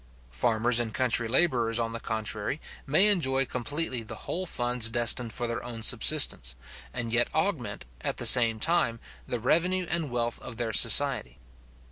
Farmers and country labourers, on the contrary, may enjoy completely the whole funds destined for their own subsistence, and yet augment, at the same time, the revenue and wealth of their society.